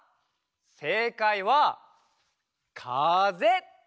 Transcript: せいかいはかぜ。